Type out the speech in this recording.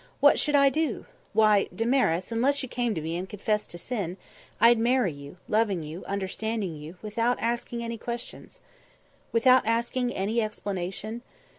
What should I do? Why, Damaris, unless you came to me and confessed to sin, I'd marry you, loving you, understanding you, without asking any questions." "Without asking any explanation?"